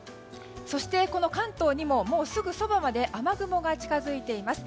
そして、関東にももうすぐそばまで雨雲が近づいています。